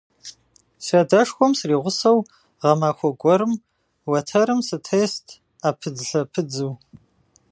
Си адэшхуэм сригъусэу, гъэмахуэ гуэрым уэтэрым сытест Ӏэпыдзлъэпыдзу.